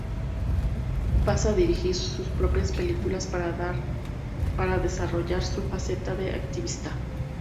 pasa a dirigir sus propias películas para desarrollar su faceta de activista